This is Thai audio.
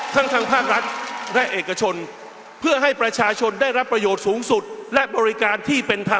ทั้งทางภาครัฐและเอกชนเพื่อให้ประชาชนได้รับประโยชน์สูงสุดและบริการที่เป็นธรรม